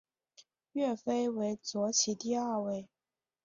岳飞为左起第二位。